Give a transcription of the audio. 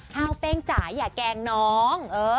ห้าวเป้งจ๋าอย่าแกล้งน้อง